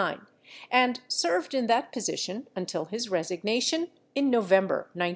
and served in that posi tion until his resignation in November 1970.